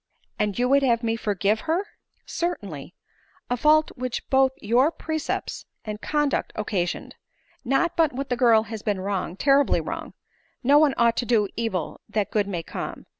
"/ind you would have me forgive her ?"" Certainly ; a fault which both your precepts and conduct occasioned. Not but what the girl has been wrong — terribly wrong ; no one ought to do evil that good may come.